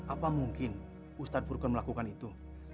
apa mungkin ustadz purgan melakukan itu